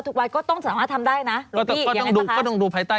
สนุนโดยหวานได้ทุกที่ที่มีพาเลส